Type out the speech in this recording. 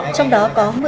trong đó có một mươi một